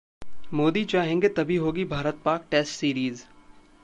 मोदी चाहेंगे तभी होगी भारत-पाक टेस्ट सीरीज